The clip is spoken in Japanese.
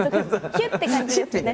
「ヒュッ！」って感じですね。